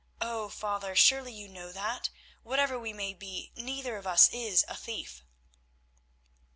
Oh! father, surely you know that, whatever we may be, neither of us is a thief."